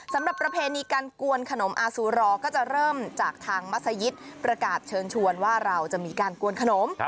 ประเพณีการกวนขนมอาซูรอก็จะเริ่มจากทางมัศยิตประกาศเชิญชวนว่าเราจะมีการกวนขนม